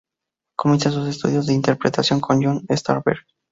Comienza sus estudios de interpretación con John Strasberg.